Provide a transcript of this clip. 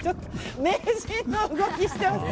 名人の動きをしています。